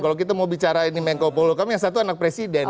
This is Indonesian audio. kalau kita mau bicara ini menko polukam yang satu anak presiden